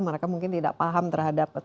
mereka mungkin tidak paham terhadap